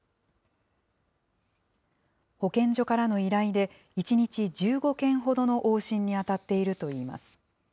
保健所からの依頼で、１日１５件ほどの往診に当たっているといいます。